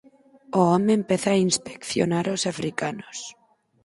O home empeza a inspeccionar aos africanos.